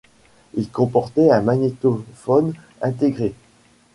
Il comportait un magnétophone intégré.